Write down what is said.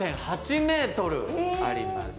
３．８ｍあります。